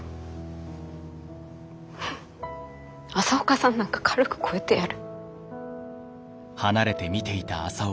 朝岡さんなんか軽く超えてやる。